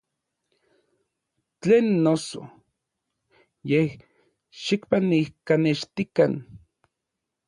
Tlen noso, yej xikpanijkanextikan.